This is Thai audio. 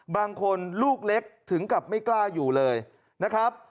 บางคนลูกเล็กถึงกับไม่กล้าอยู่เลยนะครับ